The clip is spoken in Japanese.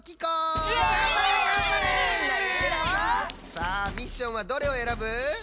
さあミッションはどれをえらぶ？